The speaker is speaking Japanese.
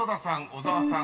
小沢さん